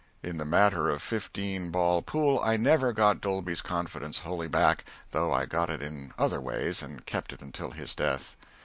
In the matter of fifteen ball pool I never got Dolby's confidence wholly back, though I got it in other ways, and kept it until his death.